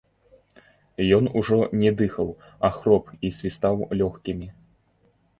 Ён ужо не дыхаў, а хроп і свістаў лёгкімі.